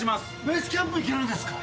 ベースキャンプ行けるんですか？